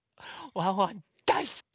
ワンワンだいすき！